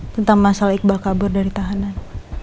tentang masalah iqbal kabur dari tahanan